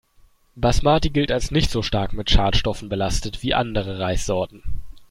Basmati gilt als nicht so stark mit Schadstoffen belastet wie andere Reissorten.